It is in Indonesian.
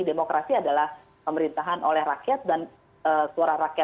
demokrasi adalah pemerintahan oleh rakyat dan suara rakyat